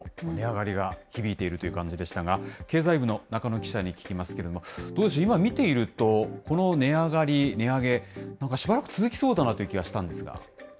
作るのにも、運ぶのにも、値上がりが響いているという感じでしたが、経済部の中野記者に聞きますけれども、どうでしょう、今、見ていると、この値上がり、値上げ、なんかしばらく続きそうだなという気がしたんですが。